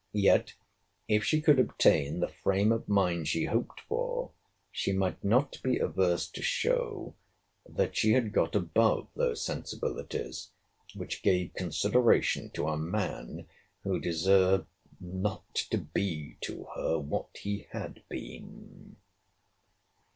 Yet, if she could obtain the frame of mind she hoped for, she might not be averse to show, that she had got above those sensibilities, which gave consideration to a man who deserved not to be to her what he had been.